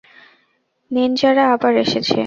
নিন্জারা আবার এসেছে!